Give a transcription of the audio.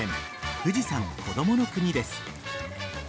富士山こどもの国です。